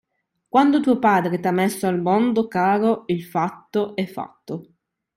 Quando tuo padre t'ha messo al mondo, caro, il fatto è fatto.